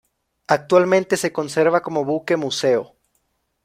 Actualmente se conserva como buque museo.